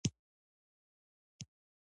چې داسې د مرچو په ډېرۍ ناسته یې.